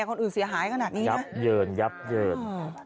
คนอื่นเสียหายขนาดนี้ยับเยินยับเยิน